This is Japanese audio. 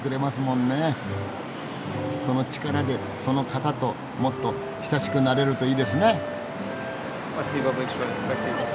その力でその方ともっと親しくなれるといいですね。